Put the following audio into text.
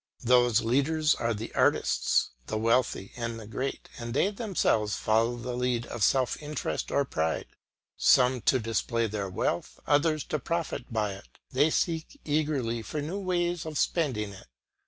Those leaders are the artists, the wealthy, and the great, and they themselves follow the lead of self interest or pride. Some to display their wealth, others to profit by it, they seek eagerly for new ways of spending it.